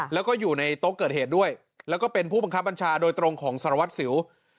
แล้วก็อยู่ในโต๊ะเกิดเหตุด้วยแล้วก็เป็นผู้บังคับบัญชาโดยตรงของสารวัตรสิว